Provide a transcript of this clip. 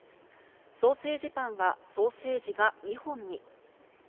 ソーセージパンはソーセージが２本に。